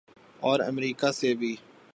اورامریکہ سے بھی۔